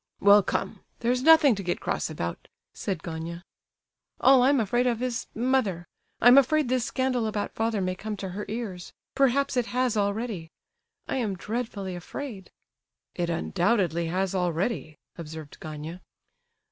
"Well—come! there's nothing to get cross about," said Gania. "All I'm afraid of is—mother. I'm afraid this scandal about father may come to her ears; perhaps it has already. I am dreadfully afraid." "It undoubtedly has already!" observed Gania.